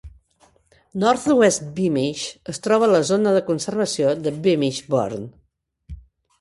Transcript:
North West Beamish es troba a la zona de conservació de Beamish Burn.